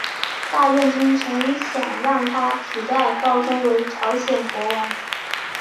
大院君曾想让他取代高宗为朝鲜国王。